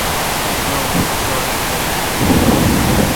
Non soamente o Issga.